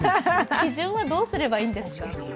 基準はどうすればいいですか？